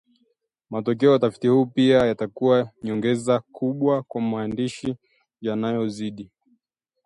Matokeo ya utafiti huu pia yatakuwa nyongeza kubwa kwa maandishi yanayozidi